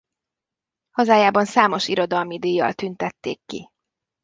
Hazájában számos irodalmi díjjal tüntették ki.